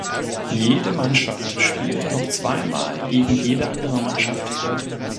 Jede Mannschaft spielte noch zweimal gegen jede andere Mannschaft.